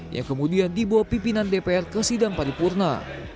yang kemudian dibawa pimpinan dpr ke sidang paripurna